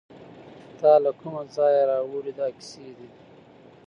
تاله کوم ځایه راوړي دا کیسې دي